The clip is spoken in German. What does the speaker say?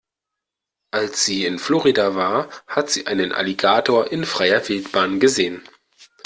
Als sie in Florida war, hat sie einen Alligator in freier Wildbahn gesehen.